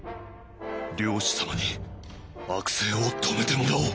「領主様に悪政を止めてもらおう」。